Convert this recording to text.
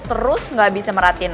terus gak bisa merhatiin